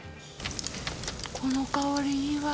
この香り、いいわ。